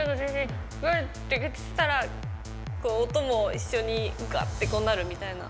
ってしたらこう音も一緒にガッてこうなるみたいな。